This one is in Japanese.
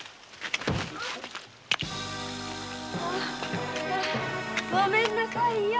あッごめんなさいよ。